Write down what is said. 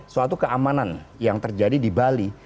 suatu keamanan yang terjadi di bali